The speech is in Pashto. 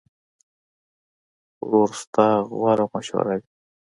ورور ستا غوره مشوره وي.